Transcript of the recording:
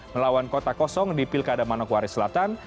melawan kota kosong di pilkada manokwari selatan